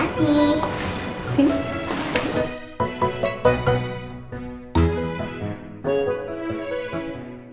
selamat ulang tahun reina